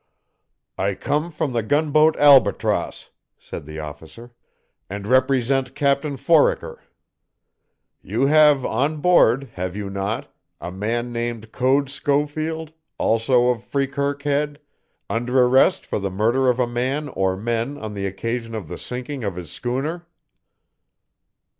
"I come from the gunboat Albatross," said the officer, "and represent Captain Foraker. You have on board, have you not, a man named Code Schofield, also of Freekirk Head, under arrest for the murder of a man or men on the occasion of the sinking of his schooner?"